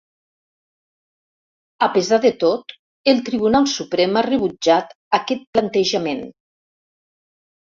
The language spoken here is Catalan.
A pesar de tot, el Tribunal Suprem ha rebutjat aquest plantejament.